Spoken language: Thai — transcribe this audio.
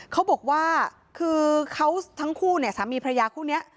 เขาบอกว่าคือทั้งคู่สามีภรรยาคู่นี้